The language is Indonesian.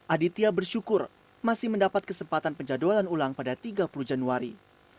aditya bersyukur masih mendapat kesempatan penjadwalan ulang pada tiga puluh januari